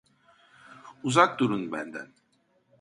Uzak durun benden!